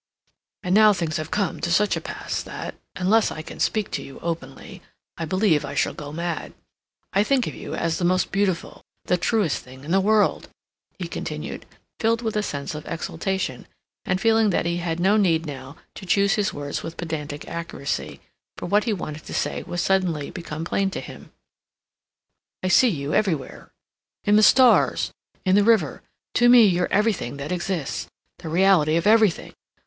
"And now things have come to such a pass that, unless I can speak to you openly, I believe I shall go mad. I think of you as the most beautiful, the truest thing in the world," he continued, filled with a sense of exaltation, and feeling that he had no need now to choose his words with pedantic accuracy, for what he wanted to say was suddenly become plain to him. "I see you everywhere, in the stars, in the river; to me you're everything that exists; the reality of everything.